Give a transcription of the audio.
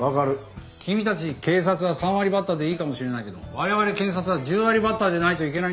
君たち警察は３割バッターでいいかもしれないけど我々検察は１０割バッターでないといけないんだよ。